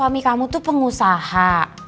suami kamu tuh pengusaha